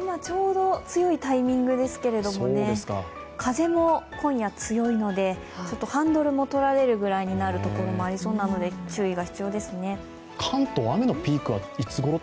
今ちょうど強いタイミングですけれどもね、風も今夜、強いのでハンドルも取られるくらいになる所もありそうですので関東、雨のピークはいつごろ？